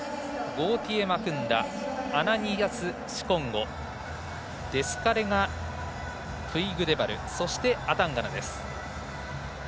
マクンダアナニアス・シコンゴデスカレガプイグデバルそしてアタンガナです。